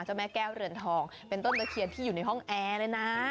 แม่แก้วเรือนทองเป็นต้นตะเคียนที่อยู่ในห้องแอร์เลยนะ